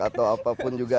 atau apapun juga